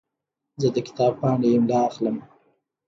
زه د کتاب پاڼې املا اخلم.